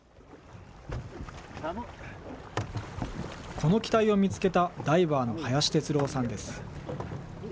この機体を見つけたダイバーの林哲郎さんです。